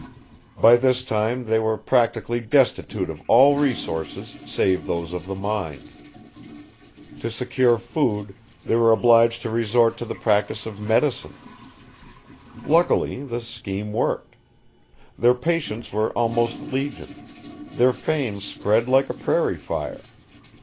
By this time they were practically destitute of all resources save those of the mind. To secure food, they were obliged to resort to the practice of medicine! Luckily, the scheme worked. Their patients were almost legion; their fame spread like a prairie fire.